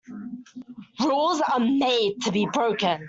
Rules are made to be broken.